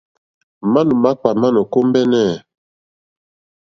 Manù makpà ma nò kombεnε.